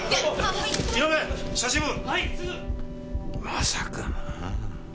まさかなぁ。